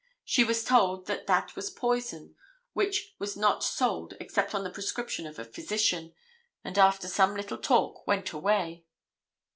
She was told that that was a poison which was not sold except on the prescription of a physician, and after some little talk went away.